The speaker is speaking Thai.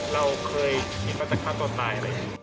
เราเคยคิดว่าจะฆ่าตัวตายอะไรอย่างนี้